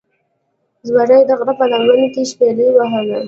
زمرې دغره په لمن کې شپیلۍ وهله